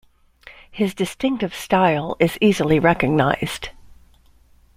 His distinctive style is easily recognized.